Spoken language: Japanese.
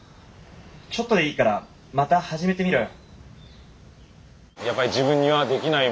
ちょっとでいいからまた始めてみろよ。